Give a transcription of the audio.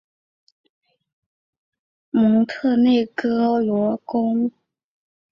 蒙特内哥罗公国的首都位于采蒂涅。